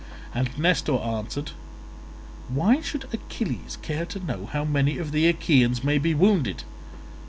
And Nestor answered, "Why should Achilles care to know how many of the Achaeans may be wounded?